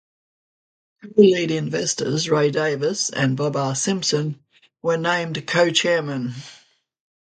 Co-lead investors Ray Davis and Bob R. Simpson were named co-chairmen.